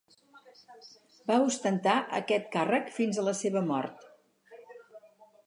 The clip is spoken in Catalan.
Va ostentar aquest càrrec fins a la seva mort.